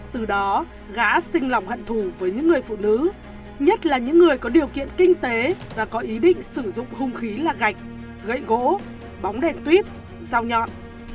từ đó gã sinh lòng hận thù với những người phụ nữ nhất là những người có điều kiện kinh tế và có ý định sử dụng hung khí là gạch gậy gỗ bóng đen tuyếp dao nhọn